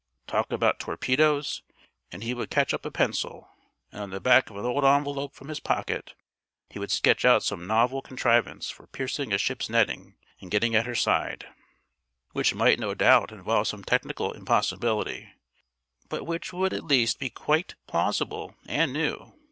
Talk about torpedoes, and he would catch up a pencil, and on the back of an old envelope from his pocket he would sketch out some novel contrivance for piercing a ship's netting and getting at her side, which might no doubt involve some technical impossibility, but which would at least be quite plausible and new.